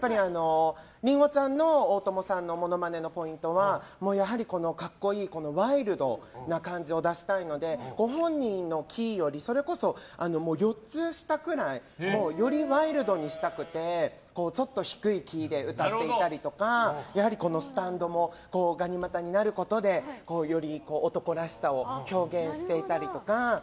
りんごちゃんの大友さんのモノマネのポイントはやはり格好いいワイルドな感じを出したいのでご本人のキーより、それこそ４つ下くらい。よりワイルドにしたくてちょっと低いキーで歌っていたりとかやはり、スタンドもがに股になることでより男らしさを表現していたりとか。